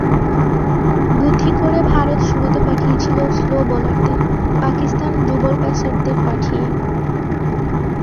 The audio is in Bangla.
বুদ্ধি করে ভারত শুরুতে পাঠিয়েছিল স্লো বোলারদের, পাকিস্তান ডুবল পেসারদের পাঠিয়ে।